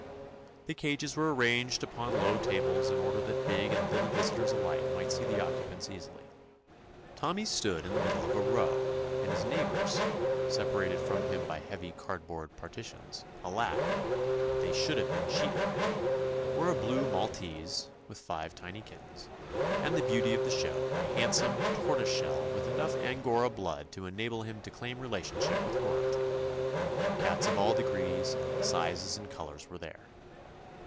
The cages were arranged upon low tables in order that big and little vis itors alike might see the occupants easily. Tommy's stood in the middle of a row, and his neighbors, separated from him by heavy cardboard parti tions, — alack I they should have been 129 THE ADVENTURES OF sheet iron, — were a blue Maltese, with five tiny kittens, and the beauty of the show, a handsome "tortoise shell," with enough Angora blood to enable him to claim relationship with royalty. Cats of all degrees, sizes, and colors were there.